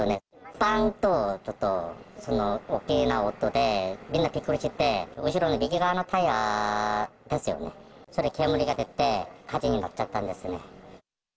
ぱんと、ちょっと大きな音で、みんな、びっくりして、後ろの右側のタイヤですよね、それ、煙が出て、火事になっちゃったんですね。